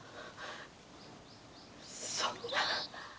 そんなぁ。